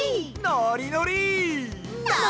のりのり。